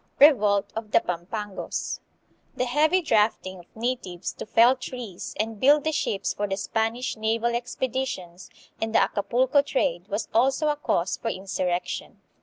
Revolt of the Pampangos. The heavy drafting of natives to fell trees and build the ships for the Spanish naval expeditions and the Acapulco trade was also a cause for insurrection.